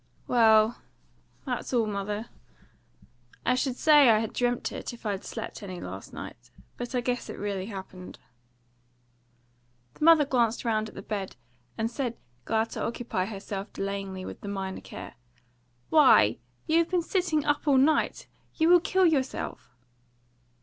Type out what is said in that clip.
"Well, that's all, mother. I should say I had dreamt, it, if I had slept any last night; but I guess it really happened." The mother glanced round at the bed, and said, glad to occupy herself delayingly with the minor care: "Why, you have been sitting up all night! You will kill yourself."